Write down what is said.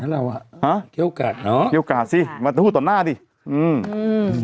ฮะเคลียร์โอกาสเนอะเคลียร์โอกาสสิมาถูกต่อหน้าดิอืมอืม